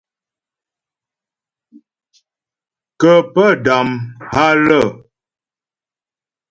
Kə́ pə́ dam há lə́.